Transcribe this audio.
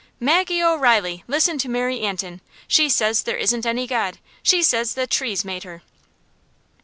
"Maggie O'Reilly! Listen to Mary Antin. She says there isn't any God. She says the trees made her!"